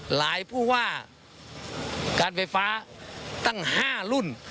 ผู้ว่าการไฟฟ้าตั้ง๕รุ่น